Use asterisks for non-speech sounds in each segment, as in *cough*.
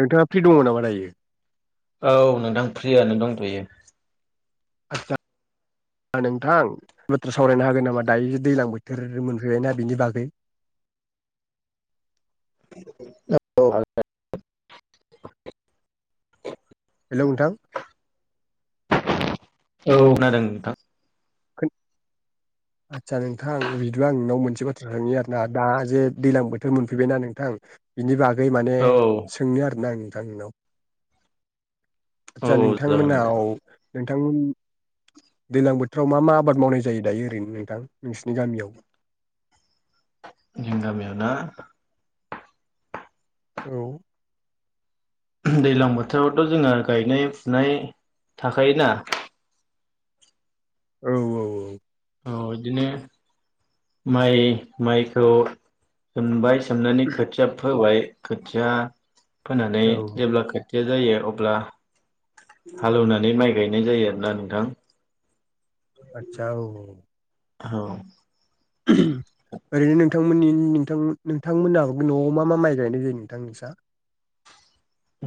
नोंथाङा फ्रि दङ नामा दायो? औ नोंथां फ्रियानो दंथयो। आदसा नोंथां बाथ्रा सावरायनो हागोन नामा दायो दैज्लां बोथोर मोनफैबायना बिनि बागै। औ औ। हेलौ नोंथां। औ खोनादों नोंथां। आदसा नोंथां बिदिब्ला आं नोंनाव मोनसे बाथ्रा सोंनो आरो ना दा जे दैज्लां बोथोर मोनफैबायना नोंथां बिनि बा गै माने औ सोंनो आरोना आंङो। नोंथां नोंनाव। औ आदसा जागोन दे नोंथांमोनाव। जागोन नोंथां दैज्लां बोथोराव मा मा आबाद मावनाय जायो दायो ओरैनो नोंथां नोंसिनि गामियाव। जों गामियाव दा औ। दैज्लां बोथोरावथ जोंहा गायनाय फुनाय थाखायोना। औ औ औ औ बिदिनो माइ माइखौ सोमबाय सोमनानै खोथिया फोबाय खोथिया फोनानै औ जेब्ला खो थिया जायो अब्ला हालौनानै माइ गायनाय जायो आरोना नोंथां। आतसा औ औ *unintelligible* आरैनो थांमोननि नोंथांमो नोंथांमोना न'आव मा मा माइ गायनाय जायो नोंथां नोसा?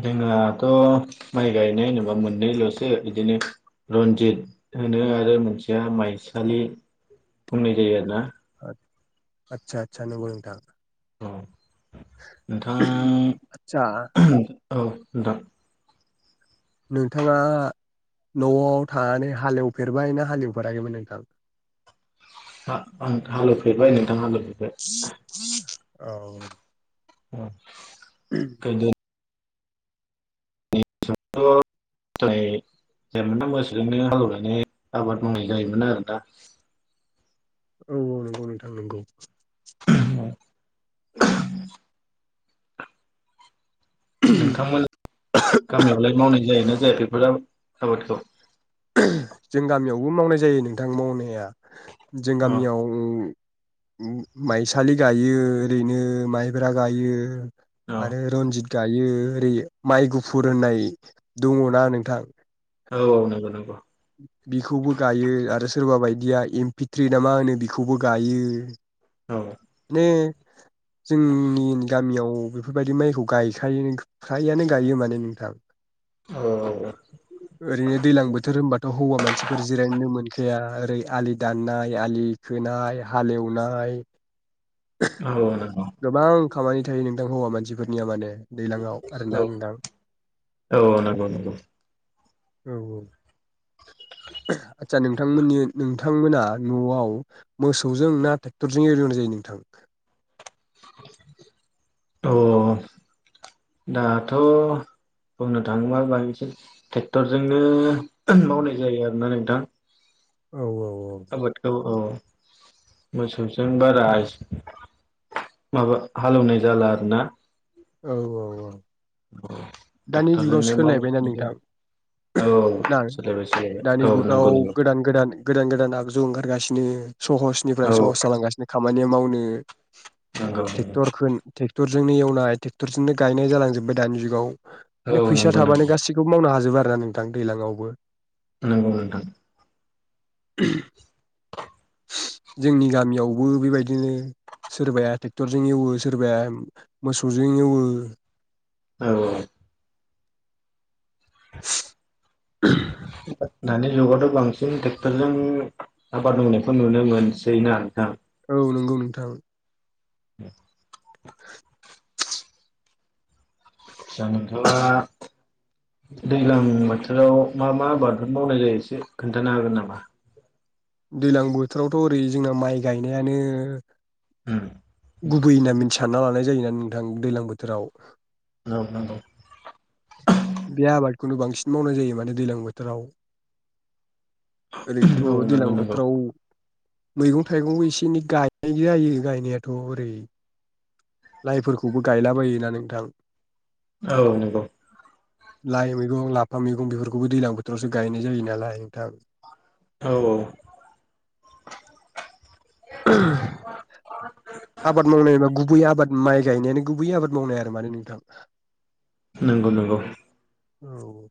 जोंहाथ' माइ गायनाय होनोबा मोननैल'सो बिदिनो रन्जित होनो आरो मोनसेया माइसालि बुंनाय जायो आरोना। आतसा आतसा नोंगौ नोंथां औ आदसा नोंथांङा *unintelligible* औ नोंथां नोंथाङा न'आव थानानै हालेवफेरबाय ना हालेवफेराखैमोन नोंथां? आ आं हालेवफेरबाय नोंथां हालेवफेरबाय। औ *unintelligible* गोदो थ' जाय जायोमोना मोसौजोंनो हालेनानै आबाद मावनाय जायोमोन आरोना। औ औ नोंगौ नोंथां नोंगौ *unintelligible* नोंथांमोन गामियावलाय मावनाय जायोना जा या बेफोर आबादखौ? *unintelligible* जों गामियावबो मावनाय जायो नोंथां मावनाया। जों औ गामियाव माइसालि गायो ओरैनो माइब्रा गायो। औ आरो रन्जित गायो। ओरै माइ गुफुर होननाय दङ ना नोंथां? औ औ नोंगौ नोंगौ बिखौबो गायो आरो सोरबा बायदिया एम्पिथ्रि ना मा होनो बिखौबो गायो। औ नो जोंनि गामियाव बिफोरबायदि माइखौ गायखायो फ्रायानो गायो माने नोंथां औ *inaudible* ओरैनो दैलां बोथोर होनबा मानसिफोर जिरायनो मोनखा या ओरै आलि दाननाय, आलि खोनाय, हालेवनाय औ नों गोबां खामानि थायो हौवा मानसिफोरनिया माने दैलाङाव आरोना औ नोंथां *inaudible* औ औ नंगौ नंगौ औ औ आतसा नोंथांमोननि नोंथां नोंथांमोना न'आव मोसौजों ना टेक्टरजों एवनाय जायो नोंथां? *inaudible* अ दाथ' बुंनो थाङोबा बांसिन टेक्टरजोंनो मावनाय जायो आरोना नोंथां। औ औ आबाद औ औ मोसौजों बारा *inaudible* माबा हालेवनाय जाला आरोना। औ औ औ *inaudible* औ दानि जुगाव टेक्टरजोंनो माव सोलायबायना नोंथां *inaudible* औ ना सोलायबाय सोलायबाय दानि औ जुगाव नंगौ नंगौ। गोदान गोदान गोदान गोदान आगजु ओंखारगासिनो। औ सहसनिफ्राय सहस जालांगासिनो खामानिया माव नो नंगौ नंगौ टेक्टर खोन- टेक टुरजोंनो एवनाय टेक्टरजोंनो गायनाय जालांजोबबाय दानि जुगाव। औ माने फैसा नंगौ नंगौ थाबानो गासिखौबो मावनो हाजोबबो आ रो नोंथां दैज्लाांआवबो नोंगौ नोंथां। जोंनि गामियावबो बेबायदिनो सोरबाया ट्रेक्टरजों एवो सोरबाया मोसौजों एवो औ औ *inaudible* दानि जुगावथ' बांसिन ट्रेक्टरजों आबाद मावनायखौ नुनो मोनसै ना नोंथां औ नंगौ नोंथां *inaudible* नोंथाङा दैज्लां बोथोराव मा मा आबादफोर मावनाय जायो एसे खोन्थानो हागोन नामा दैलां बोथोरावथ' ओरै जोंना माइ गायनायानो उम गुबैयैना मिनथिनना सान्ना लानाय जायनानै नोंथां दैलां बोथोराव औ नोंगौ बे आबादखौनो बांसिन मावनाय जायो माने दैज्लां बोथोराव ओरैथ' औ नंगौ औ दैलां नंगौ नंगौ बोथोराव मैगं थाइगं एसे एनै गायनाय जायो गायनायाथ' ओरै लाइफोरखौबो गायला बायोना नोंथां औ नंगौ लाइ मैगं लाफा मैगं बेफोरखौबो दैलां बोथोरावसो गायनाय जायो नालाय नोंथां औ औ आबाद मावनायबा गुबै आबाद माइ गायनायानो गुबै आबाद मावनाय आरो माने नोंथां नंगौ नंगौ औ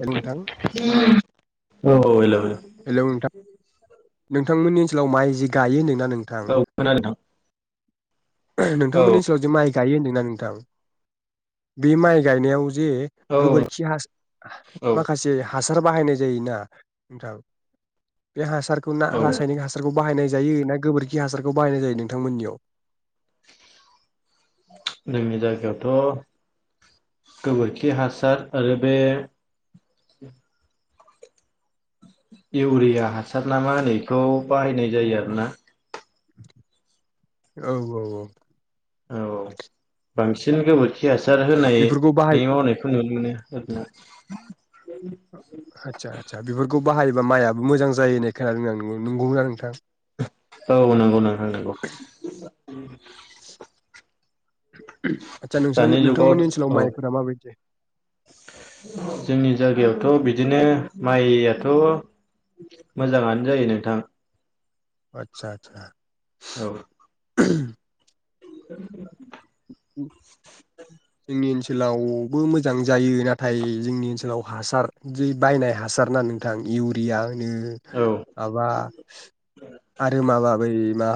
हेलौ नोंथां औ हेलौ हेलौ नोंथां नोंथांमोननि ओनसोलाव माइ जि गायो नों औ खोनादों औ नोंथांमोननि ओनसोलाव जे माइ गायो होनदोंना नोंथां बे माइ गायनायाव जे औ गोबोरखि हास औ माखासे हासार बाहायनाय जायोना नोंथां बे हासार खौ ना औ रासायनिक हासारखौ बाहायनाय जायो ना गोबोरखि हासारखौ बाहायनाय जायो नोंथांमोननियाव जोंनि जायगायावथ' गोबोरखि हासार आरो बे इउरिया हासार नामा होनो इखौ बाहायनाय जायो आरोना औ औ औ औ बांसिन गोबोरखि हास सार बेफोरखौ बाहाय होनायनि मावनायखौ नुनो मोनो *inaudible* आदसा आदसा बेफोरखौ बाहायोबा माइयाबो मोजां जायो होननाय खोनादों नंगौना नोंथां औ नंगौ नोंथां नंगौ आदसा नोंथां दानि जुगाव नोंथांमोननि ओनसोलाव औ माइफोरा माबायदि? जोंनि जायगायावथ' बिदिनो माइयाथ' मोजाङानो जायो नोंथां आतसा आतसा औ *inaudible* *inaudible* जोंनि ओनसोल लावबो मोजां जायो नाथाय जोंनि ओनसोलाव हासार जि बायनाय हासार ना नोंथां इउरिया औ माबा आरो माबा बै मा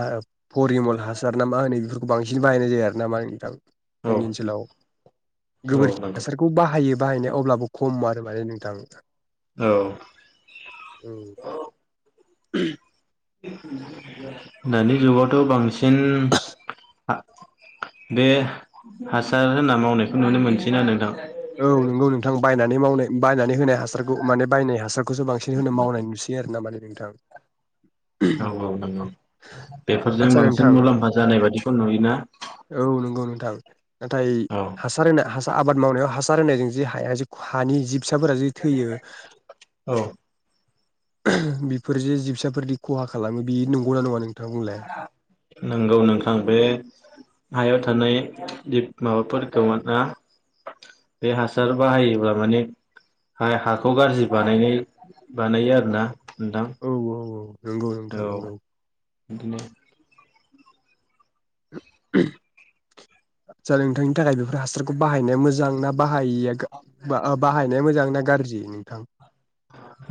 परिमल हासार ना मा होनो बेफोर बांसिन बाहायनाय जाया नामा नोंथां औ जोंनि ओनसोलाव औ गोबोरखि नंगौ हासारखौ बाहायो बाहायनाया अब्लाबो खम आरो माने नोंथां औ *inaudible* दानि जुगावथ' बांसिन बे हासार होनना मावनायखौ नुनो मोनसैना नोंथां औ नंगौ नोंथां बायनानै मावनाय बायनानै होनाय हासारखौ माने बायनाय हासारखौसो बांसिन होनो मावनाय नुसै आरोना माने थां औ औ नंगौ बेफोरजों आदसा बांसिन नोंथां मुलाम्फा जानाय बादिखौ नुयोना थां नाथाय औ हासार होना हा आबाद मावनायाव हासार होनायजों जि हाया जि हानि जि फिसाफोरा जि थैयो औ बेफोर जे जिबसाफोरदि खहा खालामो बे नंगौना नङा नों नंगौ नोंथां बे हायाव थानाय बि माबाफोरखौ माने बे हासार बाहायोब्ला माने हाखौ गाज्रि बानायनाय बानायो आरोना नोंथां नोंगौ नोंथां औ नोंगौ बिदिनो आदसा नोंथांनि थाखाय बेफोर हासारखौ बाहायनाया मोजां ना बाहायिया बाहायनाया मोजां ना गाज्रि नोंथां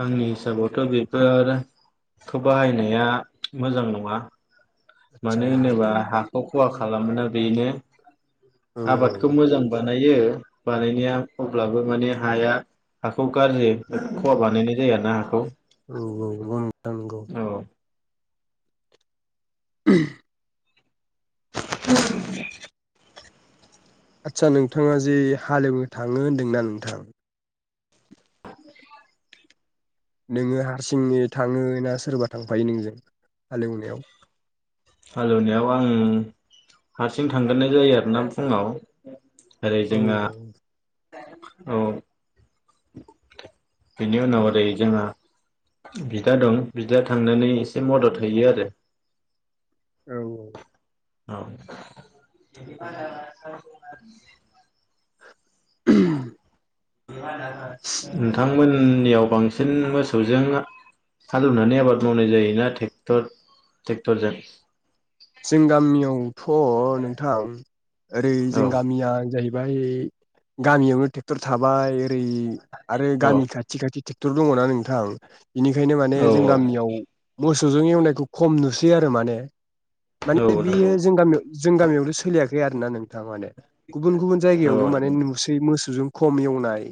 आंनि हिसाबावथ' बेफोरखौ बाहायनाया मोजां नङा मानो आदसा होनोबा हाखौ खहा खालामोना बेनो औ आबादखौ मोजां बानायो बानायनाया अब्लाबो माने हाया हाखौ गाज्रि खहा बानायनाय जायो आरोना हाखौ औ औ नंगौ नोंथां नंगौ औ *inaudible* औ आदसा नोंथाङा जे हालेवनो थाङो होनदोंना नोंथां नोङो हारसिंनो थाङो ना सोरबा थांफायो नोंजों हालेवनायाव हालेवनायाव आं हारसिं थांग्रोनाय जायो आरोना फुङाव ओरै औ जोंना औ बेनि उनाव ओरै जोंहा बिदा दं बिदाया थांनानै एसे मदद हैयो आरो औ औ *unintelligible* नोंथांमोन उननियाव बांसिन मोसौजों हालेवनानै आबाद मावनाय जायोना ट्रेक्टर ट्रेक्टरजों जों गामियाव अ नोंथां ओरै औ जों गामिया जाहैबाय ओमफ्राय गामियावनो ट्रेक्टर थाबाय ओरै आरो औ गामि खाथि खाथि ट्रेक्टर दङना नोंथां बेनिखायनो माने औ जों गामियाव मोसौजों एवनायखौ खम नुसै बिब्दि आरो माने औ माने बेयो नंगौ जों गामियाव जों गामियावनो सोलियाखै आरोना नोंथां माने गुबुन गुबुन औ जायगायावबो माने नंगौ नुसै मोसौ जों खम एवनाय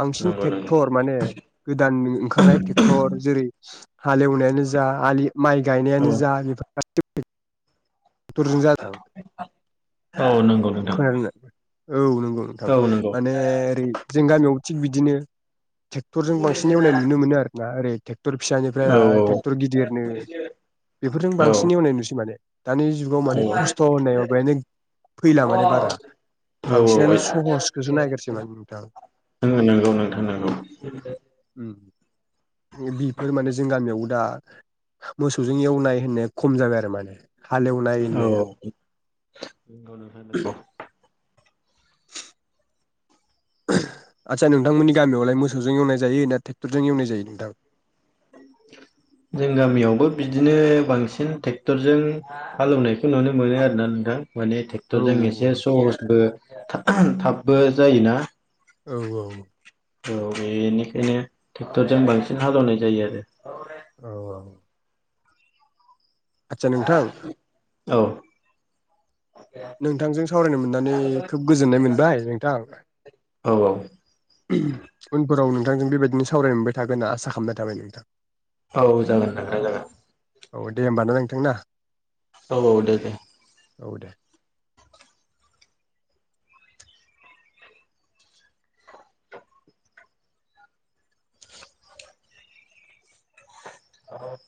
बांसिन नंगौ नंगौ ट्रेक्टर माने गोदान ओंखारनाय ट्रेक्टर जेरै हालेवनायानो जा आलि माइ गायनायानो औ जा बेफोर *unintelligible* *unintelligible* औ नंगौ नोंथां खोनादनो औ नंगौ नोंथां औ नंगौ माने ओरै जों गामियाव थिग बिदिनो ट्रेक्टरजों बांसिन एवनाय नुनो मोनो आरोना ओरै ट्रेक्टर औ फिसानिफ्राय ट्रेक्टर गिदिरनो बेफोरजों औ बांसिन एवनाय नुसै माने दानि जुगाव माने खस्थ' होननायाव बेने फैला माने बारा औ बांसिनानो सहसखौसो नायगिरसै माने नोंथां नंगौ नोंथां नंगौ औ बेफोर माने जों गामियाव दा मोसौजों एवनाय होननाया खम जाबाय आरो माने हालेवनाय होननाया नोंगौ नोंथां नोंगौ आदसा नोंथांमोननि गामियावलाय मोसौजों एवनाय जायो ना ट्रेक्टरजों एवनाय जायो नोंथां? जों गामियावबो बिदिनो बांसिन ट्रेक्टरजों हालेवनायखौ नुनो मोनो आरोना नोंथां। माने औ ट्रेक्टर जों एसे सहसबो थाबबो जायोना औ औ औ बेनिखायनो ट्रेक्टरजों बांसिन हालेवनाय जायो आरो औ औ आचचा नोंथां औ नोंथांजों सावरायनो मोननानै खोब गोजोननाय मोनबाय नोंथां औ औ उनफोराव नोंथांजों बेबायदिनो सावराय मोनबाय थागोनना आसा खालामनाय थाबाय नोंथां औ जागोन नोंथां जागोन औ दे होनोमबाना नोंथां ना। औ औ दे दे औ दे अ